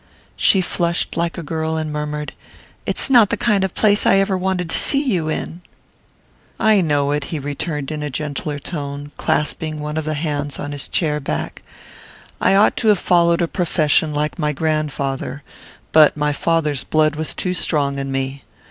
She flushed like a girl and murmured: "It's not the kind of place I ever wanted to see you in!" "I know it," he returned in a gentler tone, clasping one of the hands on his chair back. "I ought to have followed a profession, like my grandfather; but my father's blood was too strong in me.